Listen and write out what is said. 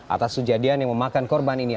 atas kejadian yang memakan korban ini